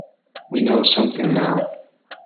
We know something now.